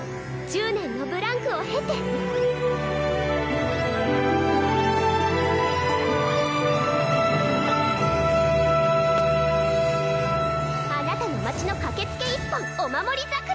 １０年のブランクを経てあなたの町のかけつけ一本おまもり桜！